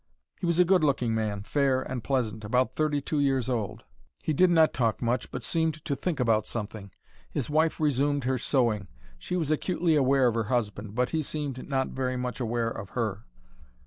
He was a good looking man, fair, and pleasant, about thirty two years old. He did not talk much, but seemed to think about something. His wife resumed her sewing. She was acutely aware of her husband, but he seemed not very much aware of her.